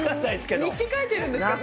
日記書いてるんですか？